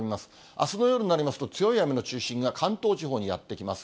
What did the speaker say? あすの夜になりますと、強い雨の中心が関東地方にやって来ます。